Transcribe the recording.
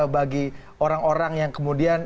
bagi orang orang yang kemudian